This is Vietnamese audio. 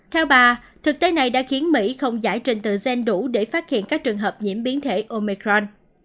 theo bà thực tế này đã khiến mỹ không giải trình tự gen đủ để phát hiện các trường hợp nhiễm biến thể omecron